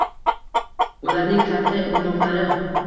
ularning katta ilmoqlari